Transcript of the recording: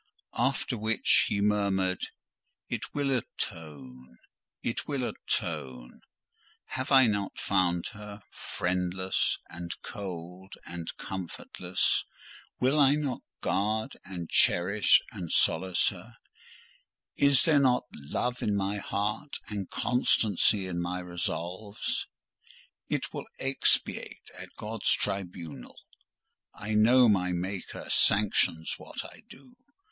After which he murmured, "It will atone—it will atone. Have I not found her friendless, and cold, and comfortless? Will I not guard, and cherish, and solace her? Is there not love in my heart, and constancy in my resolves? It will expiate at God's tribunal. I know my Maker sanctions what I do.